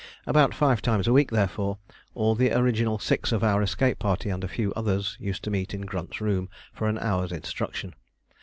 About five times a week, therefore, all the original six of our escape party and a few others used to meet in Grunt's room for an hour's instruction.